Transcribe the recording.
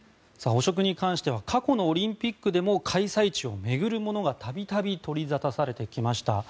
汚職に関しては過去のオリンピックでも開催地を巡るものが度々取りざたされてきました。